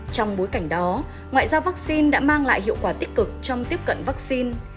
trong bối cảnh đó ngoại giao vaccine đã mang lại hiệu quả tích cực trong tiếp cận vaccine